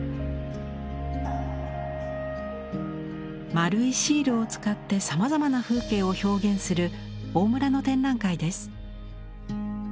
丸いシールを使ってさまざまな風景を表現する大村の展覧会です。